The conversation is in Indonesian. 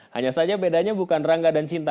hanya saja bedanya bukan rangga dan cinta